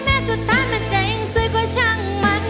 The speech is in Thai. แม้สุดท้ายมันจะยิ่งซวยก็ช่างมัน